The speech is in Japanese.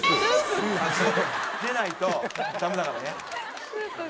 出ないとダメだからね。